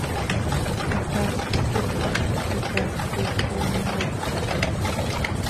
Hataast quih quiptax quih itaast coi tcooo ma, ooptax iha.